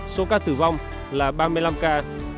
số ca tử vong là ba mươi năm ca